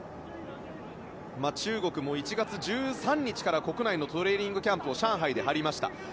中国も１月１３日から国内のトレーニングキャンプを上海で張りました。